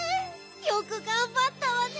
よくがんばったわね。